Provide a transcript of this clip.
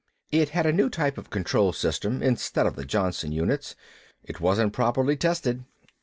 "It had a new type of control system instead of the Johnson units. It wasn't properly tested."